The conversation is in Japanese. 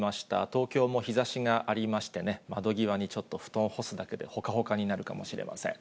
東京も日ざしがありましてね、窓際にちょっと布団を干すだけでほかほかになるかもしれません。